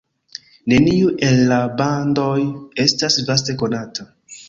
Neniu el la bandoj estas vaste konata.